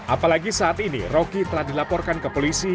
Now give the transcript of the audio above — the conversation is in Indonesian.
apalagi saat ini rocky telah dilaporkan ke polisi